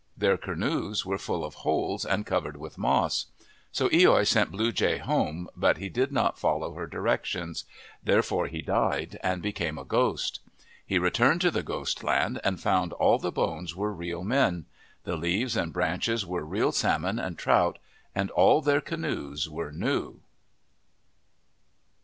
Their canoes were full of holes and covered with moss. So loi sent Blue Jay home, but he did not follow her directions. Therefore he died and became a ghost. He returned to the ghost land and found all the bones were real men. The leaves and branches were real salmon and trout, and all their canoes were new.